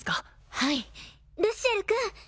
はいルシエル君